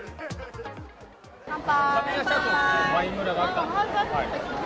乾杯！